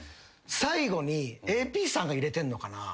最後にＡＰさんが入れてんのかな？